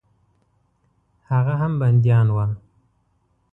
هغه هم بندیان وه.